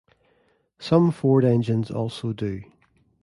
Some Ford engines also do.